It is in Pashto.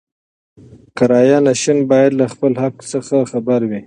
کرایه نشین باید له خپل حق څخه خبر وي.